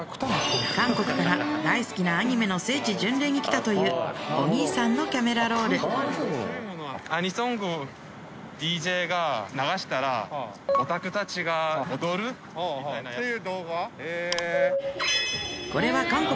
韓国から大好きなアニメの聖地巡礼に来たというお兄さんのキャメラロールオタクたちが踊るっていう動画？